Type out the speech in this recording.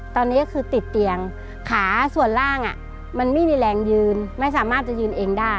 ตอนนี้ก็คือติดเตียงขาส่วนล่างมันไม่มีแรงยืนไม่สามารถจะยืนเองได้